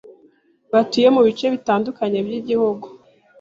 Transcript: batuye mu bice bitandukanye by’igihugu